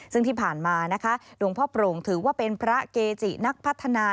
ซึ่งที่ผ่านมานะคะหลวงพ่อโปร่งถือว่าเป็นพระเกจินักพัฒนา